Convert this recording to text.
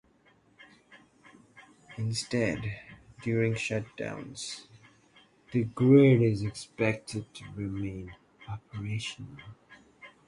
Instead, during shutdowns the grid is expected to remain operational.